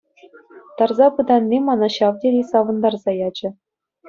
Тарса пытанни мана ҫав тери савӑнтарса ячӗ.